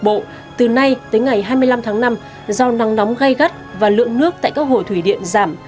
bộ từ nay tới ngày hai mươi năm tháng năm do nắng nóng gây gắt và lượng nước tại các hồ thủy điện giảm